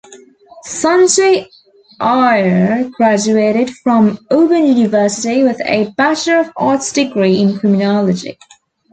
Sanjay Ayre graduated from Auburn University with a Bachelor of Arts Degree in Criminology.